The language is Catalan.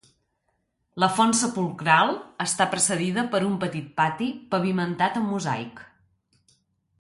La font sepulcral està precedida per un petit pati pavimentat amb mosaic.